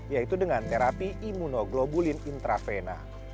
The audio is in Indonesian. yaitu dengan terapi imunoglobulin intravena